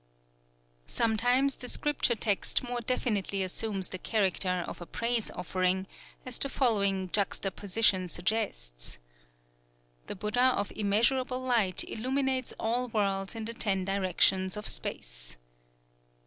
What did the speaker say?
'"_ Sometimes the scripture text more definitely assumes the character of a praise offering, as the following juxtaposition suggests: "_The Buddha of Immeasurable Light illuminates all worlds in the Ten Directions of Space.